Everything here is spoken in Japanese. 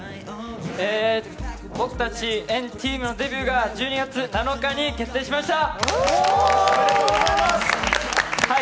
僕たち＆ＴＥＡＭのデビューが１２月７日に決定しました。